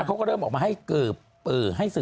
เขาก็เริ่มออกมาให้เกิบให้ศึก